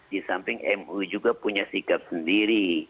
di samping mui juga punya sikap sendiri